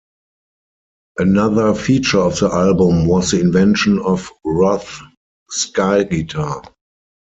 Another feature of the album was the invention of Roth's Sky Guitar.